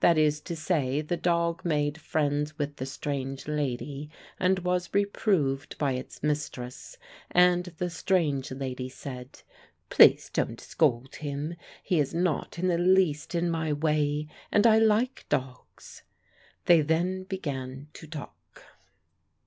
That is to say, the dog made friends with the strange lady and was reproved by its mistress, and the strange lady said: "Please don't scold him. He is not in the least in my way, and I like dogs." They then began to talk.